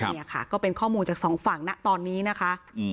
นี่ค่ะก็เป็นข้อมูลจากสองฝั่งนะตอนนี้นะคะ